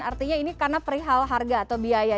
artinya ini karena perihal harga atau biaya